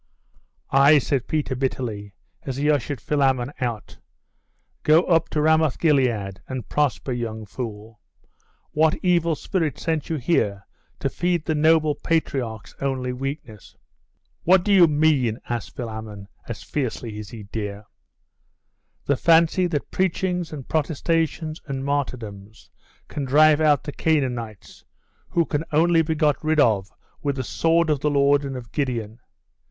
'Ay!' said Peter bitterly, as he ushered Philammon out. 'Go up to Ramoth Gilead, and prosper, young fool! What evil spirit sent you here to feed the noble patriarch's only weakness?' 'What do you mean?' asked Philammon, as fiercely as he dare. 'The fancy that preachings, and protestations, and martyrdoms can drive out the Canaanites, who can only be got rid of with the sword of the Lord and of Gideon.